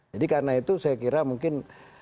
jadi karena itu saya kira mungkin